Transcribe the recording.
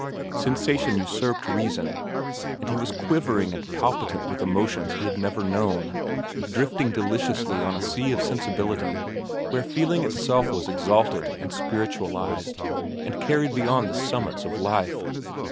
Sensation usurped reason, and he was quivering and palpitant with emotions he had never known, drifting deliciously on a sea of sensibility where feeling itself was exalted and spiritualized and carried beyond the summits of life.